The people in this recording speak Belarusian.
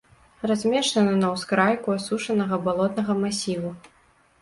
Размешчана на ўскрайку асушанага балотнага масіву.